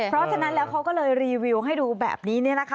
เพราะฉะนั้นแล้วเขาก็เลยรีวิวให้ดูแบบนี้